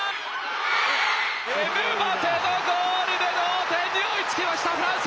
エムバペのゴールで同点に追いつきました、フランス。